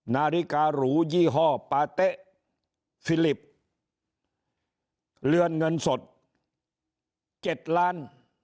นาฬิการูยี่ห้อปาเต๊ะฟิลิปเรือนเงินสด๗ล้าน